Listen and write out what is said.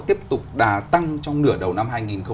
tiếp tục đà tăng trong nửa đầu năm hai nghìn hai mươi